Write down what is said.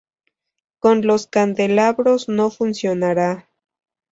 Con los candelabros no funcionara.